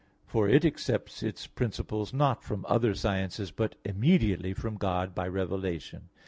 For it accepts its principles not from other sciences, but immediately from God, by revelation.